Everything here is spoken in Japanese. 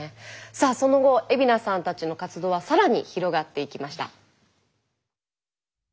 さあその後海老名さんたちの活動は更に広がっていきました。